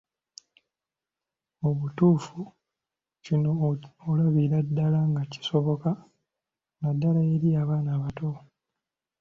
Mu butuufu kino olabira ddala nga kisoboka naddala eri abaana abato.